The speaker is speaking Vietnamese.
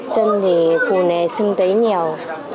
chân thì phù nề sưng tấy nhiều